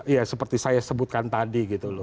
ya seperti saya sebutkan tadi gitu loh